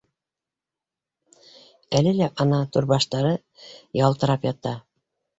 Әле лә, ана, түрбаштары ялтырап ята.